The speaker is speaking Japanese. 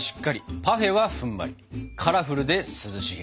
カラフルで涼しげ！